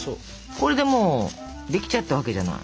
これでもうできちゃったわけじゃない？